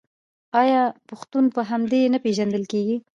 آیا پښتون په همدې نه پیژندل کیږي؟